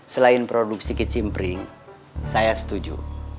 selain produksi kicimpring saya setuju